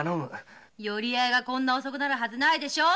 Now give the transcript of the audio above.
寄合いがこんなに遅くなるはずないでしょ。